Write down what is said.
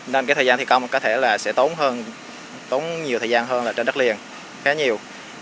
nên thời gian thi công có thể sẽ tốn nhiều thời gian hơn trên đất liền khá nhiều